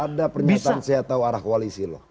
ada pernyataan saya tahu arah koalisi loh